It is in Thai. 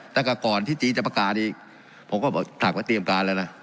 แต่ตอนก่อนจี๊จะประกาศอีกผมก็สั่งไว้เตรียมการละนะ